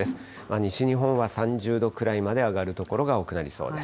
西日本は３０度くらいまで上がる所が多くなりそうです。